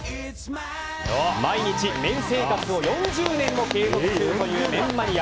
毎日、麺生活を４０年継続中という麺マニア。